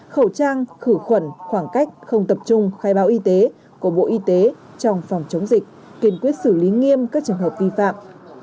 khẩu trang khử khuẩn khoảng cách không tập trung khai báo y tế của bộ y tế trong phòng chống dịch kiên quyết xử lý nghiêm các trường hợp vi phạm